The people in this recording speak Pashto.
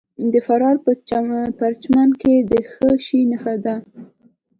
د فراه په پرچمن کې د څه شي نښې دي؟